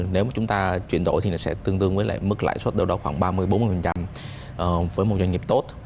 nếu mà chúng ta chuyển đổi thì sẽ tương tương với mức lãi suất đâu đó khoảng ba mươi bốn mươi với một doanh nghiệp tốt